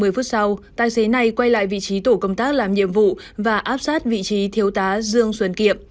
ba mươi phút sau tài xế này quay lại vị trí tổ công tác làm nhiệm vụ và áp sát vị trí thiếu tá dương xuân kiệm